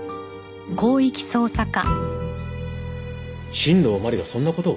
新道真理がそんな事を？